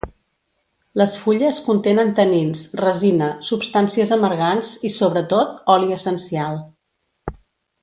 Les fulles contenen tanins, resina, substàncies amargants i sobretot, oli essencial.